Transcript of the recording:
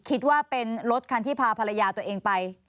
คิดว่าเป็นรถคันที่พาภรรยาตัวเองไป